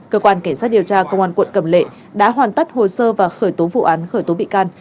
cơ quan cảnh sát điều tra công an quận cầm lệ đã hoàn tất hồ sơ và khởi tố vụ án khởi tố bị can